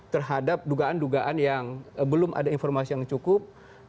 terhadap dugaan dugaan yang belum ada informasi yang cukup